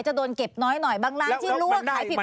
จะโดนเก็บน้อยบางร้านที่รู้ว่าขายผิดกฎหมาย